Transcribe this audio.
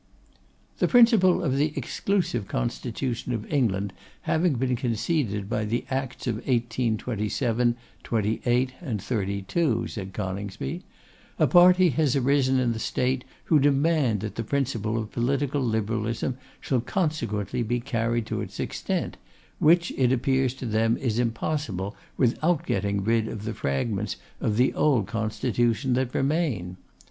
'The principle of the exclusive constitution of England having been conceded by the Acts of 1827 8 32,' said Coningsby, 'a party has arisen in the State who demand that the principle of political liberalism shall consequently be carried to its extent; which it appears to them is impossible without getting rid of the fragments of the old constitution that remain.